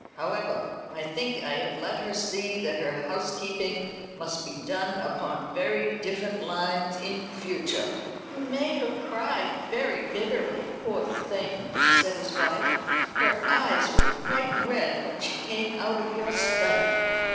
However, I think I have let her see that her housekeeping must be done upon very different lines in future." "You made her cry very bitterly, poor thing," said his wife. "Her eyes were quite red when she came out of your study."